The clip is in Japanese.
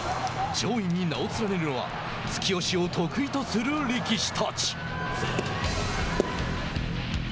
上位に名を連ねるのは突き押しを得意とする力士たち。